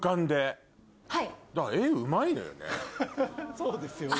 そうですよね。